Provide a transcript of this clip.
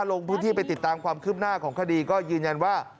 ลงพื้นที่ไปติดตามความคืบหน้าของคดีก็ยืนยันว่า